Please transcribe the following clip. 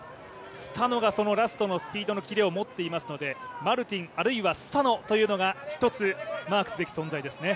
スタノがそのラストのスピードの切れを持っていますのでマルティン、あるいはスタノというのが一つマークすべき存在ですね。